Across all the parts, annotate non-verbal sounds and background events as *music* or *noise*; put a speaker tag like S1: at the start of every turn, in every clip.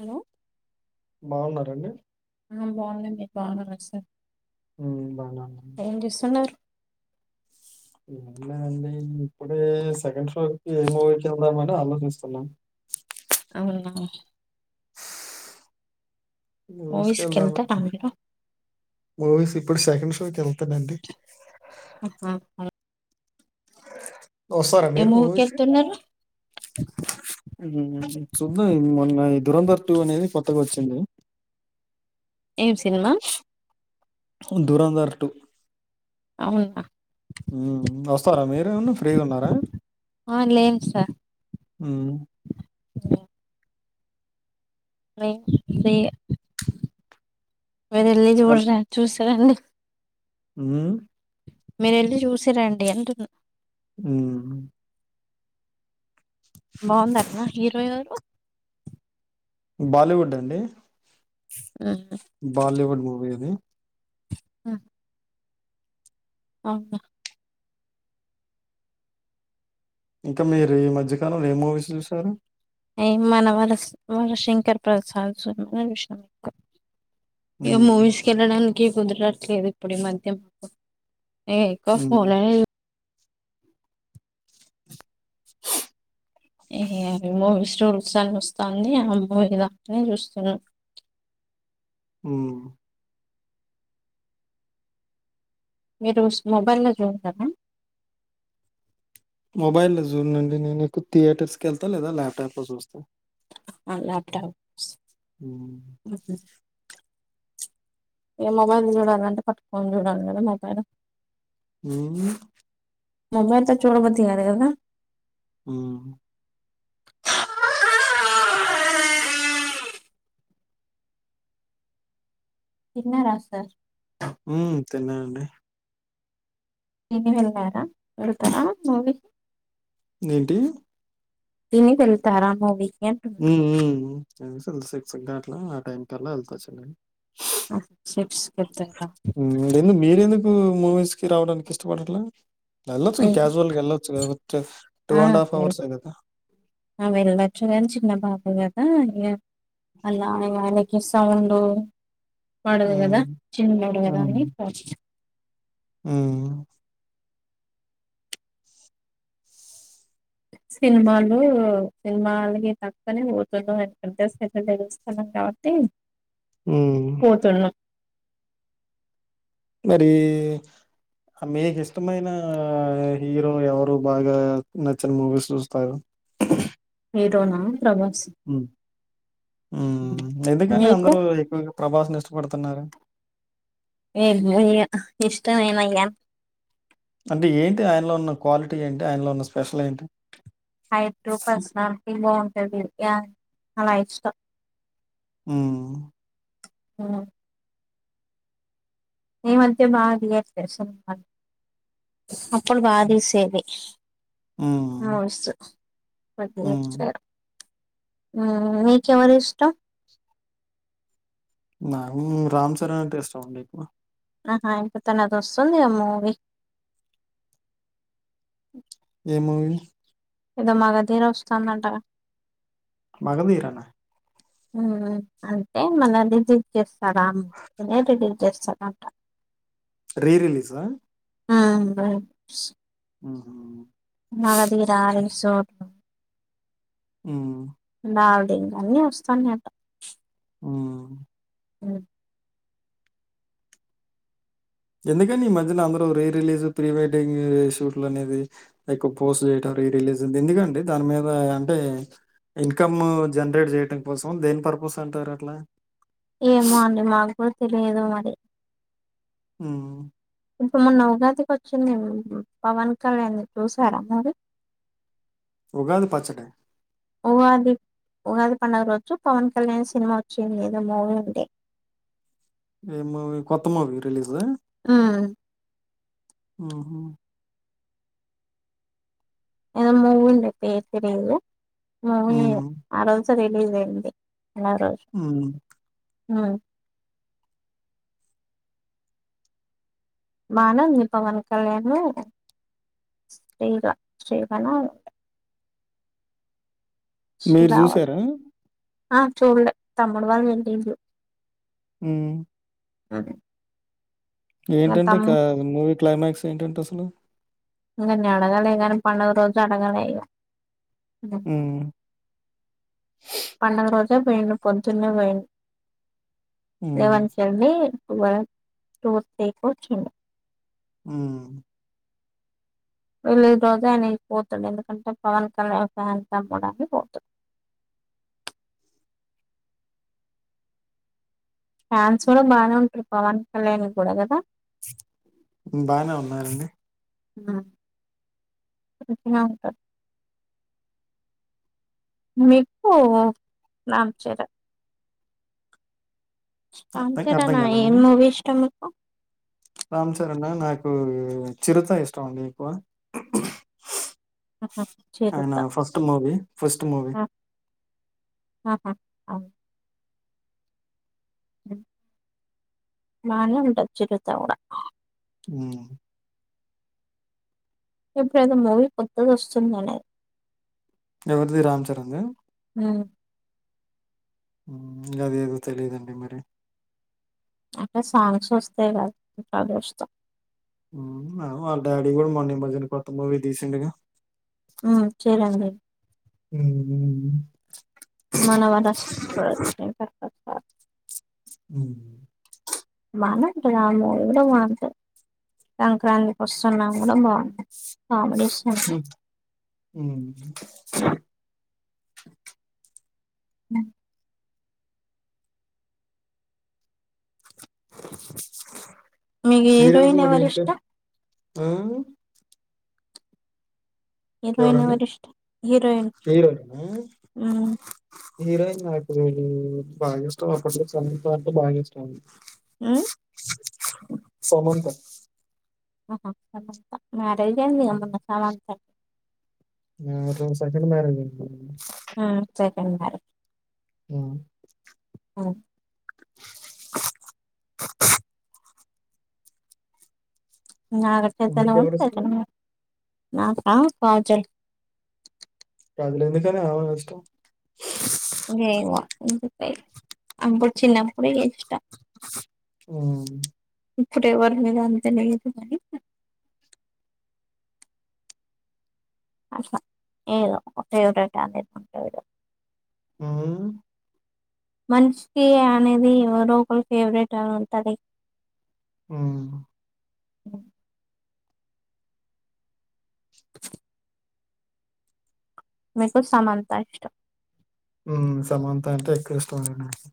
S1: Hello
S2: బావున్నారా అండి
S1: బాగున్నాం మీరు బాగున్నారా సార్
S2: హు బాగున్న
S1: ఏం చేస్తున్నారు
S2: ఏం లేదండి ఇప్పుడే సెకండ్ షో కి ఏ మూవీకి వెళ్దామని ఆలోచిస్తున్నాం
S1: అవునా
S2: మూవిష్ కి
S1: మూవీస్
S2: వెళ్దామా
S1: వెళ్తారా మీరు
S2: ఇప్పుడు సెకండ్ షోకి వెళ్తానండి
S1: హా హా
S2: వస్తారా
S1: ఏ
S2: మీరు
S1: మూవీ కి
S2: మూవీస్‌కి?
S1: వెళ్తున్నారు
S2: హు చూద్దాం మొన్న ఈ దురంధర్ టూ అనేది కొత్తగా వచ్చింది.
S1: ఏం సినిమా
S2: దూరందర్ టూ
S1: అవునా
S2: ఫరమే న్న ఫ్రీగా ఉన్నారా
S1: ఆ లేం
S2: ఉ
S1: లేం *unintelligible* మీరు వెళ్ళి చూడ చూసిరండి
S2: హు
S1: మీరు వేళ్ళి చూసి రండి అంటున్న
S2: హు
S1: బాగుంది టనా హీరో ఎవరు
S2: బాలీవుడ్ అండి
S1: ఉహు.
S2: బాలీవుడ్ మూవీ అది
S1: హ్మ్ అవునా
S2: ఇంకా మీరు ఈ మధ్యకాలంలో ఏం మూవీస్ చూసారు
S1: ఏ మన వాళ సి వళ శంకర్ ప్రసాద్ స చష ఇ
S2: హ్మ్.
S1: మూవీస్ కేలడానికి ఇ కుదరట్లేదు ఇప్పుడు ఈ మధ్య మాకు ఏ ఎక్కువ
S2: హ్మ్.
S1: ఫోన్నే
S2: *inaudible*
S1: ఏ మూవీ స్టూల్స్ అని వస్తుంది ఆ మూవీ దాకానే చూస్తున్నా
S2: ఉమ్
S1: మీరు మొబైల్ లో చూడతారా
S2: మొబైల్ లో నుండి నేను ఎకువ థియేటర్స్కి వెళ్తా లేదా ల్యాప్టాప్ లో చూస్తాను
S1: అ లాప్టాప్స్
S2: ఉమ్
S1: ఏ మొబైల్ చూడాలంటే పట్టుకొని చూడాలి కదా మొబైల్
S2: ఉమ్
S1: మోబైల్ తో చూడబుద్డికాదు కదా
S2: ఉమ్
S1: తిన్నారా సార్
S2: ఉమ్ తిన్నానండి
S1: నని వెళ్ళారా వెళ్తారా మూవీకి
S2: ఏంటి
S1: తిని వెళ్తరా మూవీ
S2: ఉమ్ ఉమ్ క్ సిక్స్ దాట్లో ఆ టైం కల్లా వెళ్తాచ్చుడి హ్మ్. ఎందుకు
S1: *unintelligible*
S2: మీరెందుకు మూవీస్ కి రావడానికి ఇష్టపడట్లా ఏళ్ళుచు కదా క్యాజువల్ ఎలాొచ్చ కదా టూ అండ్ హాఫ్ అవర్స్ ఏ కదా
S1: అదా అలా ఆయనకి సౌండ్ వాదు కదా
S2: హ్మ్.
S1: చిన్న వా కదా అని ప్ర
S2: ఉమ్
S1: సినిమాలు సినిమాలకి తకునే పోతున్నా అన ప్రద్ద తెలుస్తన్నాం కాబట్టి
S2: ఉమ్
S1: పోతున్నాం
S2: మరి మీకు ఇష్టమైన హీరో ఎవరు బాగా నచ్చిన మూవీస్ చూస్తారు
S1: హీరోనా ప్రభాస్
S2: హ్మ్. ఎందుకని
S1: మీకు
S2: అందరు ఎక్కువగా ప్రభాస్ని ఇష్టపడుతున్నారు
S1: ఏ ఇష్టంమేనయ్యా
S2: అంటే ఏంటి ఆయనలో ఉన్న క్వాలిటీ ఏంటి ఆయనలో ఉన్న స్పెషల్ ఏంటి
S1: హైట్ టు పర్సనాలిటీ బాగుంటది అలాయిచ్చ
S2: మ్మ్
S1: ఆ *unintelligible* అప్పుడు బాధ వేసేది
S2: హ్మ్.
S1: మస్త్
S2: హ్మ్.
S1: మీక ఎవరి ఇష్టం
S2: మ రామ్ చరణ్ అంటే ఇష్టం అండి ఇప్పుడు
S1: ఆహా ఇంక తనది వస్తుంది ఆ మూవీ
S2: ఏ మూవీ
S1: ఏదో మాగాధీర వస్తుందంట
S2: మగధీరానా
S1: అంటే మనం రిజీవ్ చేస్తాారా అనే రిలీీవ్ చేస్తాడు అంట
S2: రీ రిలీస్ ఆ
S1: ఆ
S2: ఆ
S1: నాగదిగ రారు సోడు
S2: మ్మ్
S1: రావుడ ఇంకా అన్నీ వస్తాన్నా అట
S2: మ్మ్
S1: అ
S2: ఎందుకే ఈ మధ్యన అందరుూ రీ రిలీజ్ ప్రీ వెడ్డింగ్ షూట్లు అనేది క్ పోస్ట్ చేయట రీ రిలీజ్ ఎందుకండి దాని మీద అంటే ఇన్కమ్ జనరేట్ చేయడంం కోసం దేని పర్పస్ అంటారు అట్లా
S1: ఏమో అండి మాకు కూడా తెలియదు మరి
S2: మ్మ్
S1: ఇప్పుడు మూన్న ఉగాదికి వచ్చింది పవన్ కళ్యాణ్ చూసారా మరి
S2: ఉగాది పచ్చట
S1: ఉగా ఉగాది పండుగ రోజు పవన్ కళ్యాణ్ సినిమా వచ్చింది ఏదో మూవీ ఉండే
S2: ఏ మూవీ కొత్త మూవీ రిలీజ్
S1: మ్మ్
S2: ఆఓహ
S1: మూవీ ఉండే పేరు తెలియదు మ్మ్
S2: హ్మ్.
S1: ఆరోజ రిలీజ్ అయింది అ రోజు
S2: హ్మ్.
S1: మ్మ్ మానంది పవన్ కళ్యాణ్ స్త్ర్రీగా శ్రీగాణ
S2: మీరు చూసారా
S1: ఆ చూడలే తమ్ముడు వాళ్ళంటే
S2: మ్మ్
S1: అదే
S2: ఏంటంటే మూవీ క్లైమాక్స్ ఏంటంటే అసలు
S1: నువ్వు నన్ను అడగలే గాని పండగ రోజు అడగలే ఇగ ఉమ్
S2: హ్మ్.
S1: పండగ రోజు *unintelligible* పొద్దున్నే పోయిండు
S2: హ్మ్.
S1: లెవెన్ కెళ్ళి ట్వెల్ టు త్రీ కో వచ్చిండు
S2: ఉమ్
S1: వెళ్లిన రోజే ఆయన ఇంటికి పోతడు ఎందుకంటే పవన్ కళ్యాణ్ ఫ్యాన్ తమ్మడానికి పోతడు ఫ్యాన్స్ కూడా బాగానే ఉంటారు పవన్ కళ్యాణ్ కూడా కదా
S2: ఉమ్ బానే ఉన్నారండి
S1: ఉమ్ *unintelligible* నిప్పు రామ్ చరణ్ రామ్
S2: అర్థం అర్థం
S1: చరణా ఏం
S2: కాలేదండి.
S1: మూవీ ఇష్టం
S2: రామ్ చరణా నాకు చిరుత ఇష్టం అండి ఎక్కువ ఆయన
S1: Chirutha
S2: first movie first movie
S1: అ ఉమ్ బానే ఉంటది చిరుత కూడా
S2: ఉమ్
S1: ఇప్పుడేదో మూవీ కొత్తది వస్తుందనే
S2: ఎవరిది రామ్ చరణ్ దా
S1: ఉమ్
S2: ఉమ్ ఇంకా అది ఏది తెలిదండి మరి
S1: అంటే సాంగ్స్ వస్తాయి గదా *unintelligible* చూస్తా
S2: ఉమ్ ఆ వాళ్ళ డాడీ కూడా మొన్న ఈ మధ్యన కొత్త మూవీ తీసిండుగా
S1: ఉమ్ చరణ్ ది
S2: ఉమ్
S1: మనవర శివశంకర్ ప్రసాద్
S2: ఉమ్
S1: మనం ఇంక *unintelligible* బాగుంటది సంక్రాంతికి వస్తున్నాం కూడా బాగుంటది
S2: ఉమ్ ఉమ్
S1: *inaudible* మీకు
S2: సీరియల్స్
S1: హీరోయిన్
S2: మరి
S1: ఎవరు
S2: ఏంటి?
S1: ఇష్టం
S2: ఆ
S1: హీరోయిన్
S2: ఎవరండి?
S1: ఎవరిష్టం హీరోయిన్
S2: హీరోయినా?
S1: ఉమ్
S2: హీరోయిన్ నాకూ బాగా ఇష్టం అప్పట్లో సమంత అంటే బాగా ఇష్టం అండి
S1: ఉమ్
S2: సమంత
S1: ఆహా *unintelligible* పెళ్లి అయింది అనుకుంట సమంతకి
S2: ఉమ్ అవును సెకండ్ మ్యారేజ్ అండి
S1: ఉమ్ సెకెండ్ మ్యారేజ్
S2: ఉమ్
S1: ఉమ్ అడా
S2: మీకెవరు ఇష్టం?
S1: *unintelligible* నా కా పచ
S2: అదిలు ఎందుకని ఆ పాపా ఇష్టం
S1: అేవా అ పడు చిన్న ప గ
S2: ఆ
S1: ఇప్పుడే వర మీ రతేనే కానీ ఏదో ఏదోకటో *unintelligible*
S2: ఆ
S1: మనిషికి అనేది ఎవరో ఒక ఫేవరెట్ అని ఉంటది
S2: మ్
S1: మ్ మీకు సమానత ఇష్టం
S2: మ్ సమంత అంటే ఎక్కువ ఇష్టం లే నాకి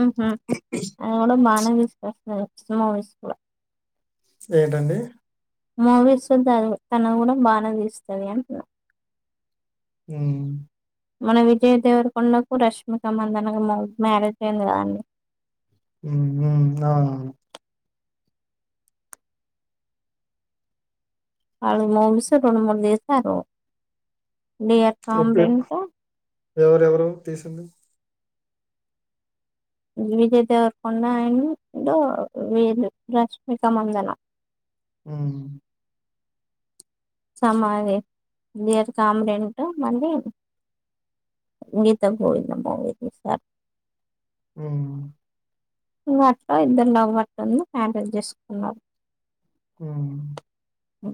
S1: మ్ మ్ హు అవునా మ *unintelligible* విస్
S2: ఏంటండి
S1: మోవీస్ చేస్థాంది తన కూడా బానే తీస్తుంది అంటున్నా
S2: మ్
S1: మన విజయ్ దేవరకొండకు రష్మిక మధనగా మ్యారేజ్ అయింది కదండి
S2: మ్ మ్ అవును
S1: అ *unintelligible* రెండు మూడు చేస్తారు
S2: ఎప్పుడు ఎవరువరు తీసింది
S1: విజయ దేవరకొండ అ అండ్ వీరు రష్మిక మందన
S2: మ్
S1: సమాధి, డియర్ కామ్రెంట్, మళ్ళీ గీత గోవిందం మూవీ తీసార్.
S2: ఉమ్
S1: ఇంగ అట్టా ఇద్దరులవ్ అట్టన్నా హ్యాండల్ చేసుకున్నారు
S2: హుం
S1: అ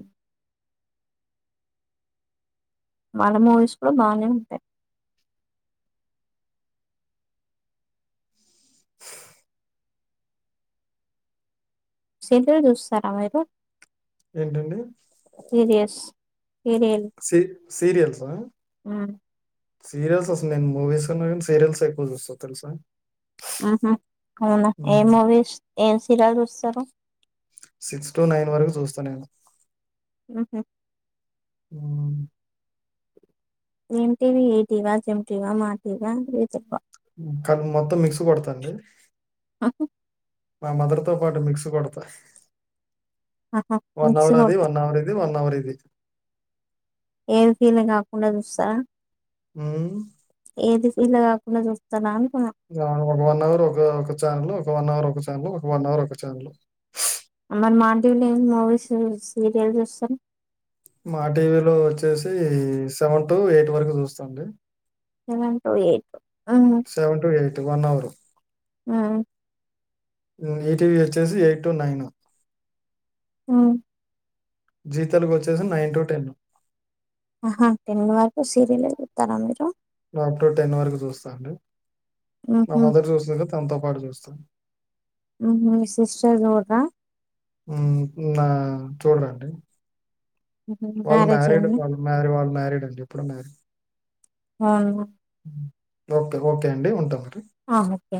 S1: వాళ్ళ మూవీస్ కూడా బాగానే ఉంటాయి సెంథిల్ చూస్తారా మీరు
S2: ఏంటండి
S1: సీరియస్ సీరియల్
S2: సీరియల్స్ హా
S1: ఆ
S2: సీరియల్స్ అసలు నేను మూవీస్ కన్నా కానీ సీరియల్స్ ఎక్కువ చూస్తా తెలుసా
S1: ఆహా అవునా ఏ
S2: హ్మ్.
S1: మూవీస్ ఏం సీరాలు చూస్తారు
S2: సిక్స్ టు నైన్ వరకు చూస్తా నేను
S1: ఉహ్
S2: ఆ
S1: ఏమిటీవి ఈటీవా చెంటీవా మా టీవా అే చెప్పు
S2: *unintelligible* మొత్తం మిక్స్ కొడతంది
S1: హ హ
S2: మా మదర్తో పాటు మిక్స్ కొడతా
S1: ఆహా
S2: వన్
S1: మిక్స్
S2: అవర్ అది
S1: కొడతా
S2: వన్ అవర్ ఇది వన్ ఇది
S1: ఏమి ఫీలింగ్కాకుండా చూస్తా
S2: హ్మ్
S1: ఏది ఫీల్‌ కాకుండా చూస్తాన్నా
S2: *unintelligible* వన్ అవర్ అయిపోయింది కుర్చోని *unintelligible* *unintelligible* ఒక వన్ అవర్ అయె కిచెన్ లో
S1: *inaudible*
S2: మా టీవీలో వచ్చేసి సెవెన్ టు ఎయిట్ వరకు చూస్తండి
S1: సెవెన్ టూ ఎయిట్ ఉమ్,
S2: seven to eight one hour
S1: ఉమ్,
S2: ఈటీవీ వచ్చేసి ఎయిట్ టు నైను
S1: మ్మ్
S2: జీ తెలుగు వచ్చేసి నైన్ టు టెన్
S1: ఆహా టెన్ వరకు సీరియలే చూతారా మీరు
S2: అప్ టూ టెన్ వరకు చూస్తాను మా
S1: ఉహు,
S2: మదర్‌ జూసే తన్‌తో పాటు చూస్తాం
S1: మీ సిస్టర్స్రా జూడ్రా
S2: హ్మ్ నా చూడ్రండి వాళ్ళు
S1: మ్యారేజ్
S2: మ్యారీడ్
S1: అయిందా
S2: వాళ్ళు మ్య వాళ్ళు మ్యారీడ్ అండి అప్పుడున్నారు
S1: అవ్ను
S2: ఓకే ఓకే అండి ఉంటాంమ
S1: ఆ ఓకే